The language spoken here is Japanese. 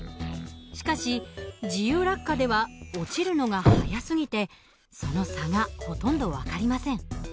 しかし自由落下では落ちるのが速すぎてその差がほとんど分かりません。